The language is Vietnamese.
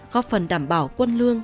góp phần đảm bảo quân lương